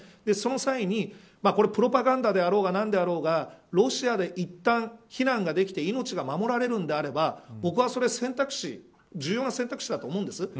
その際にプロパガンダであろうが何であろうがロシアでいったん避難ができて命が守られるのであれば僕はそれは重要な選択肢だと思うんです。